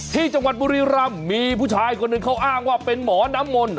ที่จังหวัดบุรีรำมีผู้ชายคนหนึ่งเขาอ้างว่าเป็นหมอน้ำมนต์